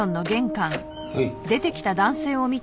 はい。